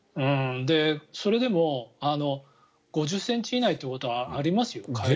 それでも５０ｃｍ以内ということはありますよ。